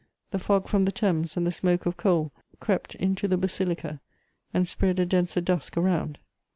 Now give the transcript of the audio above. The fog from the Thames and the smoke of coal crept into the basilica, and spread a denser dusk around.